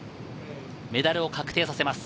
メダルを確定させます。